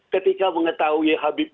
ketika mengetahui habib